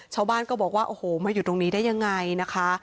ชาวบ้านก็บอกว่าโอ้โหมาอยู่ตรงนี้ได้ยังไงนะคะ